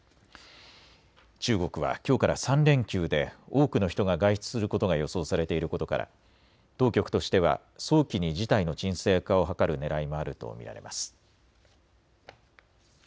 中国はきょうから３連休で多くの人が外出することが予想されていることから当局としては早期に事態の鎮静化を図るねらいもあると見られます。